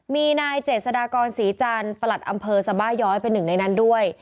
มีนายเจษฎากรศรีจันทร์ประหลัดอำเภอสบาย้อยเป็นหนึ่งในนั้นด้วย